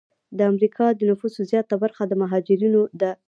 د امریکا د نفوسو زیاته برخه د مهاجرینو ده.